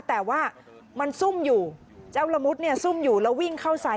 แต่ว่ามันซุ่มอยู่เจ้าละมุดเนี่ยซุ่มอยู่แล้ววิ่งเข้าใส่